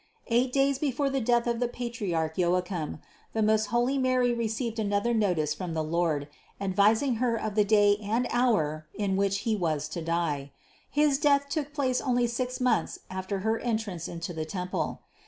Eight days before the death of the patriarch Joachim the most holy Mary received another notice from the Lord, advising Her of the day and hour in which He was to die. His death took place only six months after Her entrance into the temple.